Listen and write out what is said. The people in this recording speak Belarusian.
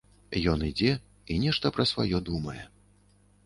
Ён ідзе і нешта пра сваё думае.